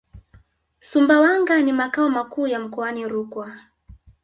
Sumbawanga ni makao makuu ya mkoani Rukwa